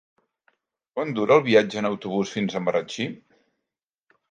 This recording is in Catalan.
Quant dura el viatge en autobús fins a Marratxí?